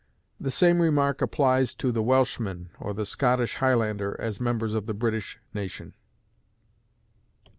The same remark applies to the Welshman or the Scottish Highlander as members of the British nation.